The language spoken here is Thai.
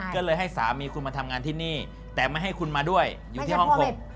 ก็เลยให้สามีคุณมาทำงานที่นี่แต่ไม่ให้คุณมาด้วยอยู่ที่ฮ่องกง